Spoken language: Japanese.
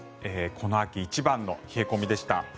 この秋一番の冷え込みでした。